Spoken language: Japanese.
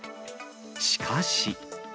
しかし。